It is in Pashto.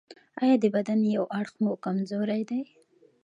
ایا د بدن یو اړخ مو کمزوری دی؟